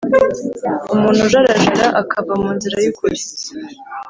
Umuntu ujarajara akava mu nzira yukuri